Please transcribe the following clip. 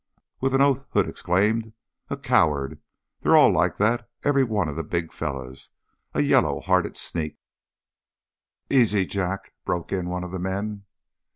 With an oath Hood exclaimed, "A coward! They're all like that every one of the big fellers. A yaller hearted sneak!" "Easy, Jack!" broke in one of the men.